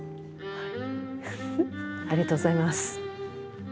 はい。